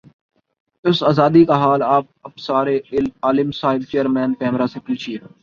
اس آزادی کا حال آپ ابصار عالم صاحب چیئرمین پیمرا سے پوچھیے